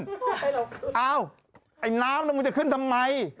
ทำไมเราขึ้นอ้าวไอ้น้ำน้ำมันจะขึ้นทำไม